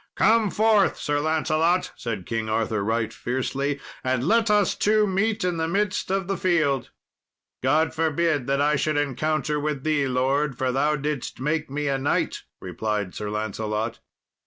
"Come forth, Sir Lancelot," said King Arthur right fiercely, "and let us two meet in the midst of the field." "God forbid that I should encounter with thee, lord, for thou didst make me a knight," replied Sir Lancelot.